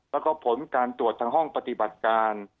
แล้วก็ผลการตรวจทางห้องปฏิบัติการ